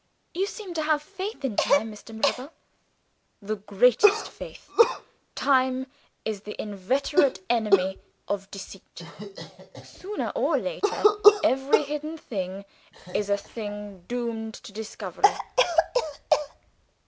"You seem to have faith in time, Mr. Mirabel." "The greatest faith. Time is the inveterate enemy of deceit. Sooner or later, every hidden thing is a thing doomed to discovery."